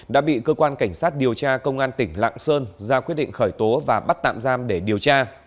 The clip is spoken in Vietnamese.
đã bị cơ quan cảnh sát điều tra công an tỉnh lạng sơn ra quyết định khởi tố và bắt tạm giam để điều tra